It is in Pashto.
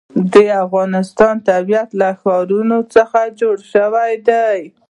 د افغانستان طبیعت له ښارونه څخه جوړ شوی دی.